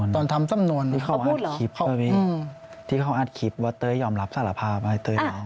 ตอนทำสำนวนนะครับที่เขาอัดคลิปว่าเตยอ่อมรับสารภาพอะไรเตยอ่อมรับสารภาพ